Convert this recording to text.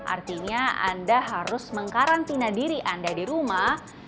artinya anda harus mengkarantina diri anda di rumah